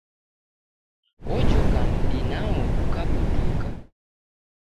Ojoka m'di nwao ukabuduka.